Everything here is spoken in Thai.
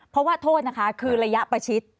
เพราะว่าโทษนะคะคือระยะประชิด